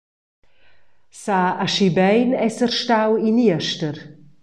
Sa aschi bein esser stau in jester.